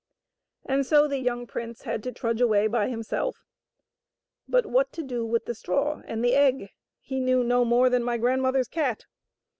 And so the young prince had to trudge away by himself. But whiit to do with the straw and the egg he knew no more than my grandmother's cat.